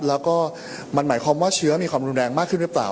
แล้วก็มันหมายความว่าเชื้อมีความรุนแรงมากขึ้นหรือเปล่า